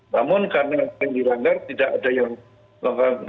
namun karena yang dilanggar tidak ada yang melakukan